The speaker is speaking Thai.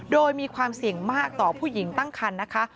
โดยมีความเสี่ยงมากต่อผู้หญิงตั้งคันนะคะ